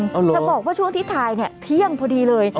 จะบอกว่าช่วงที่ถ่ายเนี่ยเที่ยงพอดีเลย